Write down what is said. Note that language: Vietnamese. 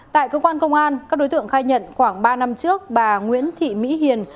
tại cơ quan công an các đối tượng khai nhận khoảng ba năm trước bà nguyễn thị mỹ hiền